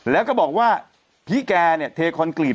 แล้วก็บอกว่าพี่แกเนี่ยเทคอนกรีต